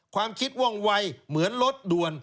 ความคิดว่องวัยเหมือนรถด่วน